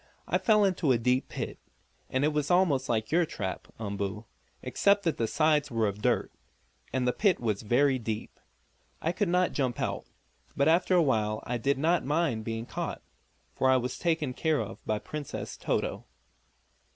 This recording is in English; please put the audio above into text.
"I fell into a deep pit. It was almost like your trap, Umboo, except that the sides were of dirt, and the pit was very deep. I could not jump out. But after a while I did not mind being caught, for I was taken care of by Princess Toto."